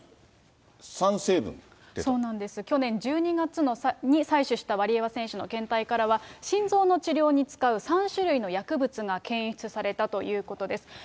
そうなんです、去年１２月に採取したワリエワ選手の検体からは、心臓の治療に使う３種類の薬物が検出されたということです。